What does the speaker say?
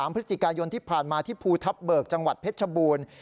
พฤศจิกายนที่ผ่านมาที่ภูทับเบิกจังหวัดเพชรชบูรณ์